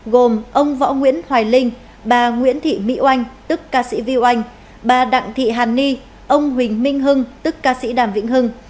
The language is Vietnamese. gồm ông võ nguyễn hoài linh bà nguyễn thị mỹ oanh tức ca sĩ viu anh bà đặng thị hàn ni ông huỳnh minh hưng tức ca sĩ đàm vĩnh hưng